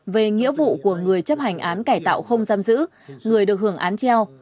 về nghĩa vụ của người chấp hành án cải tạo không giam giữ người được hưởng án treo